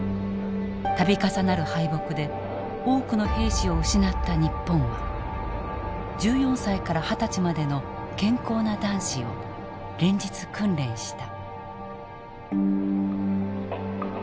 度重なる敗北で多くの兵士を失った日本は１４歳から二十歳までの健康な男子を連日訓練した。